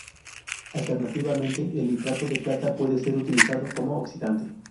Alternativamente, el nitrato de plata puede ser utilizado como oxidante.